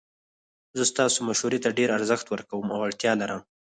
زه ستاسو مشورې ته ډیر ارزښت ورکوم او اړتیا لرم